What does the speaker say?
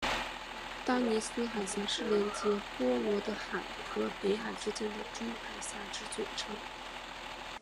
丹尼斯海峡是连结波罗的海和北海之间的诸海峡之总称。